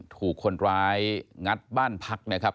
ถูกคนร้ายงัดบ้านพักนะครับ